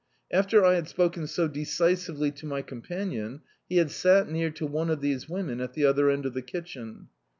After I had spoken so decisively to my companion he had sat near to one of these women, at the other end of the kitchen.